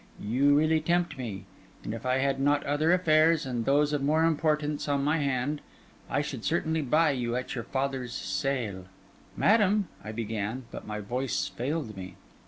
You really tempt me; and if I had not other affairs, and these of more importance, on my hand, I should certainly buy you at your father's sale.' 'Madam—' I began, but my voice failed me.